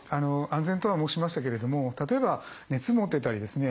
安全とは申しましたけれども例えば熱もってたりですね